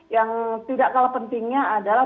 yang tidak kalah pentingnya adalah